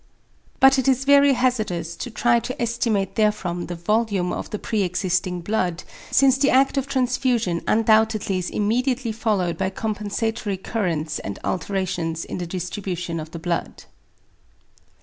But it is very hazardous to try to estimate therefrom the volume of the pre existing blood, since the act of transfusion undoubtedly is immediately followed by compensatory currents and alterations in the distribution of the blood.